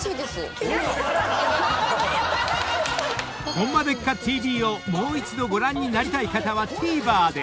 ［『ホンマでっか⁉ＴＶ』をもう一度ご覧になりたい方はＴＶｅｒで！］